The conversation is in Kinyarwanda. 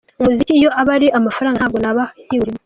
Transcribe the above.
Umuziki iyo aba ari amafaranga ntabwo naba nkiwurimo.